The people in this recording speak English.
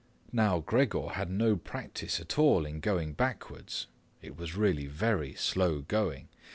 Now, Gregor had no practice at all in going backwards—it was really very slow going.